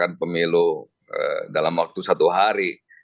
ya kan pemilu dalam waktu satu hari